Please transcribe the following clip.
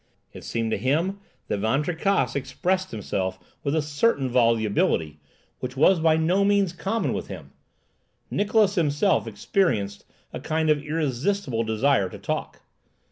It seemed to him that Van Tricasse expressed himself with a certain volubility, which was by no means common with him. Niklausse himself experienced a kind of irresistible desire to talk.